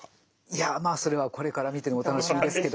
いやまあそれはこれから見てのお楽しみですけどもね。